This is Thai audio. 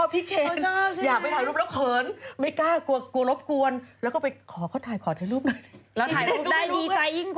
พี่เกียงมันก็นั่งตะเลาะตะเละของบนไป